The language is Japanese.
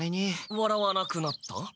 笑わなくなった？